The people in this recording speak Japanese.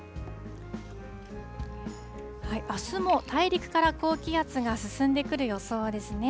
あすも大陸から高気圧が進んでくる予想ですね。